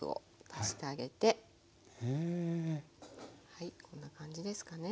はいこんな感じですかね。